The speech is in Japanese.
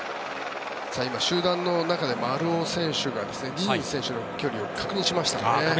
今、集団の中で丸尾選手がディニズ選手との距離を確認しましたね。